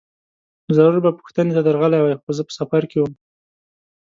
ضرور به پوښتنې ته درغلی وای، خو زه په سفر کې وم.